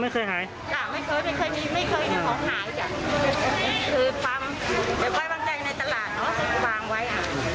ในการทำมาหากินค่าขายกำลังได้นิดหน่อย